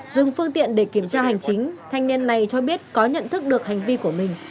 dừng phương tiện để kiểm tra hành chính thanh niên này cho biết có nhận thức được hành vi của mình